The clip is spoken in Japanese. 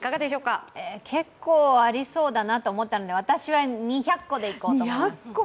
結構ありそうだなと思ったので、私は２００個でいこうと思います！